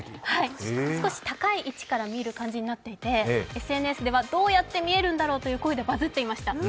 少し高い位置から見る感じになっていて、ＳＮＳではどうやって見えるんだろうという声でバズっていました。